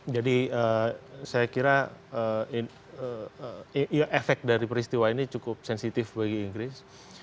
jadi saya kira efek dari peristiwa ini cukup sensitif bagi inggris